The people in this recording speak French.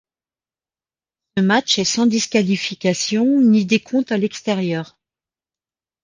Ce match est sans disqualification ni décompte à l'extérieur.